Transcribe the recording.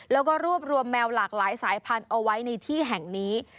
แล้วก็รวบรวมแมวหลากหลายสายพันธุ์เอาไว้ในที่แห่งนี้